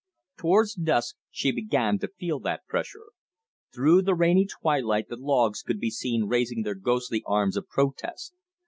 Towards dusk she began to feel that pressure. Through the rainy twilight the logs could be seen raising their ghostly arms of protest.